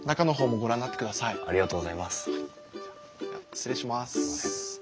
失礼します。